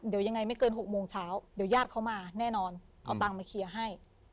เดี๋ยวยังไงไม่เกิน๖โมงเช้าเดี๋ยวญาติเขามาแน่นอนเอาตังค์มาเคลียร์ให้